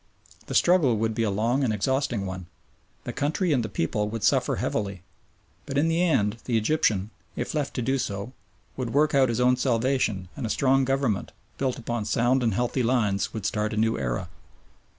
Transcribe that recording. The struggle would be a long and exhausting one. The country and the people would suffer heavily, but in the end the Egyptian if left to do so would work out his own salvation and a strong Government, built upon sound and healthy lines, would start a new era.